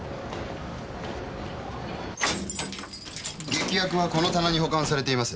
劇薬はこの棚に保管されています。